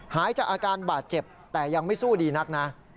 หายจากอาการบาดเจ็บแต่ยังไม่สู้ดีนักนะ